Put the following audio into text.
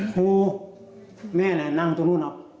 ขู่แม่น่ะนั่งตรงนู้น